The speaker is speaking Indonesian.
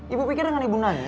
ibu pikir dengan ibu nanya